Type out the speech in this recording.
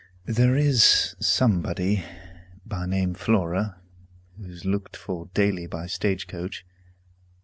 There is somebody, by name Flora, who is looked for daily by stage coach.